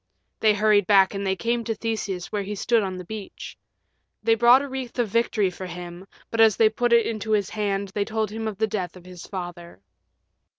They hurried back and they came to Theseus where he stood on the beach. They brought a wreath of victory for him, but as they put it into his hand they told him of the death of his father.